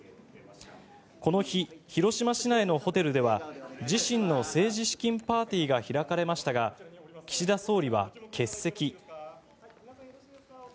この日、広島市内のホテルでは自身の政治資金パーティーが開かれましたが岸田総理は欠席。